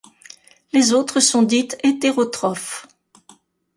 Les autres sont dites hétérotrophes.